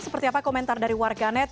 seperti apa komentar dari warganet